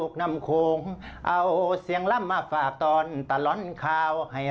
สวัสดีนะครับ